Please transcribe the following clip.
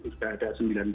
sudah ada sembilan belas